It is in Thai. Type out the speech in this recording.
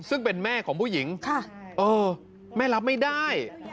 ซึ่งเป็นแม่ของผู้หญิงแม่รับไม่ได้